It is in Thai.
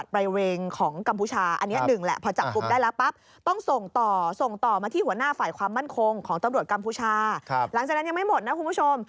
ตอนใส่แล้วยังไม่หมดนะคุณผู้ชม